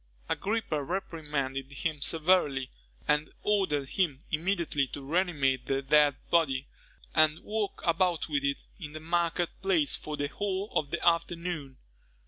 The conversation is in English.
Agrippa reprimanded him severely, and ordered him immediately to reanimate the dead body, and walk about with it in the market place for the whole of the afternoon.